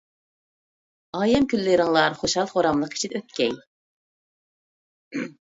ئايەم كۈنلىرىڭلار خۇشال-خۇراملىق ئىچىدە ئۆتكەي!